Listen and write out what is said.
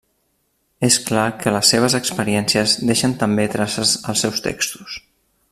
És clar que les seves experiències deixen també traces als seus textos.